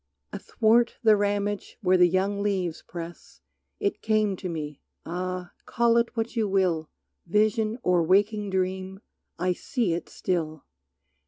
Athwart the ramage where the young leaves press It came to me, ah, call it what you will Vision or waking dream, I see it still!